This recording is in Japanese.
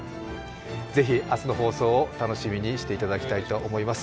ぜひ明日の放送を楽しみにしていただきたいと思います。